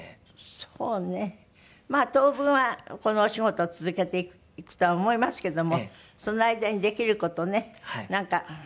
そうねまあ当分はこのお仕事を続けていくとは思いますけどもその間にできる事ねなんか。